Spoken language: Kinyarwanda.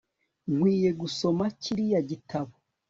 nkwiye gusoma kiriya gitabo